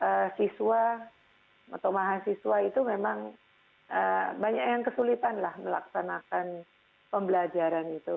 guru siswa atau mahasiswa itu memang banyak yang kesulitanlah melaksanakan pembelajaran itu